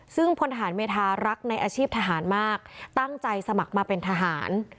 ซึ่งพลทหารเมธารักในอาชีพทหารมากตั้งใจสมัครมาเป็นทหาร